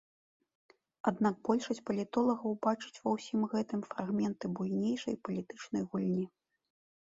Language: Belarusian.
Аднак большасць палітолагаў бачыць ва ўсім гэтым фрагменты буйнейшай палітычнай гульні.